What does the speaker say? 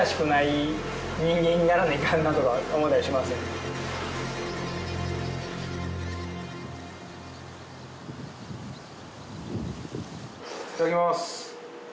いただきます！